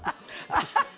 アハハハ！